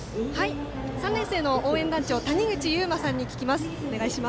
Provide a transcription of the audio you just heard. ３年生の応援団長たにぐちゆうまさんに聞きます。